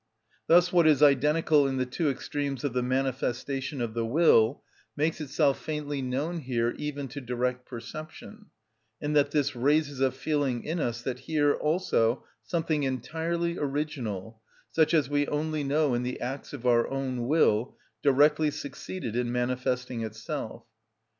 Thus what is identical in the two extremes of the manifestation of the will makes itself faintly known here even to direct perception, in that this raises a feeling in us that here also something entirely original, such as we only know in the acts of our own will, directly succeeded in manifesting itself.